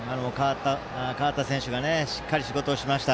代わった選手がしっかり仕事しました。